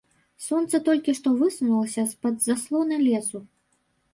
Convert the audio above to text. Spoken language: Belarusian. Сонца толькі што высунулася з-пад заслоны лесу.